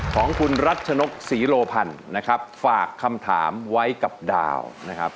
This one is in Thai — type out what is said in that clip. ของคุณรัชนกศรีโลพันธ์นะครับฝากคำถามไว้กับดาวนะครับ